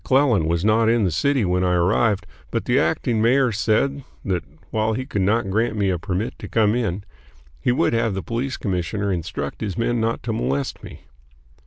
] Mayor McClellan was not in the city when I arrived; but the acting mayor said that while he could not grant me a permit to come in, he would have the police commissioner instruct his men not to molest me.